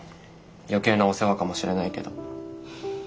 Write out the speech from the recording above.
余計なお世話かもしれないけど。